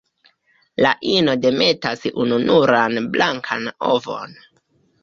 La ino demetas ununuran blankan ovon.